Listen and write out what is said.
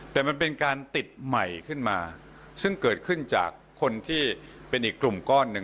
แต่มันเป็นการติดใหม่ขึ้นมาซึ่งเกิดขึ้นจากคนที่เป็นอีกกลุ่มก้อนหนึ่ง